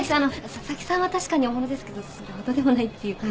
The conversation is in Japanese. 佐々木さんは確かに大物ですけどそれほどでもないっていうか。